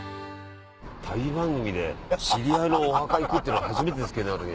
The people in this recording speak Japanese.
旅番組で知り合いのお墓行くっての初めてですけど。